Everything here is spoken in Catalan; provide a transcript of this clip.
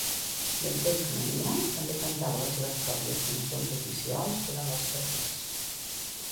"Benteng Mania" també cantava les seves pròpies cançons oficials durant els partits.